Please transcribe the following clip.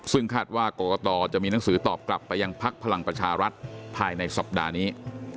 ซึ่งคาดว่ากรกตจะมีหนังสือตอบกลับไปยังพักพลังประชารัฐภายในสัปดาห์นี้